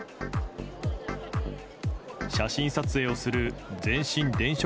写真撮影をする全身電飾